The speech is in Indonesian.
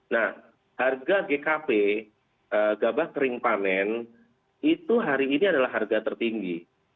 nah harga gkp gabah kering panen itu hari ini adalah harga tertinggi